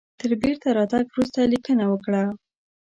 تر بیرته راتګ وروسته لیکنه وکړه.